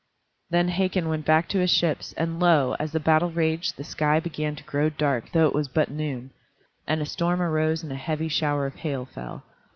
Then Hakon went back to his ships, and lo! as the battle raged, the sky began to grow dark though it was but noon, and a storm arose and a heavy shower of hail fell.